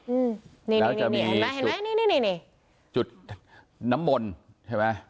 อืมนี่นี่เห็นไหมเห็นไหมนี่นี่นี่จุดน้ำมนต์ใช่ไหม